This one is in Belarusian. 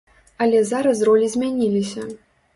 Але зараз ролі змяніліся!